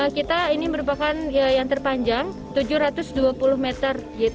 kita ini merupakan yang terpanjang tujuh ratus dua puluh meter